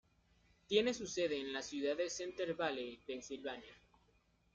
Tiene su sede en la ciudad de Center Valley, Pensilvania.